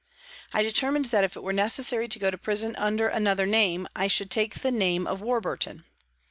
I determined that if it were necessary to go to prison under another name, I should take the name of Warburton.